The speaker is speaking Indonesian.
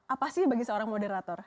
apa sih bagi seorang moderator